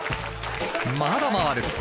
まだ回る。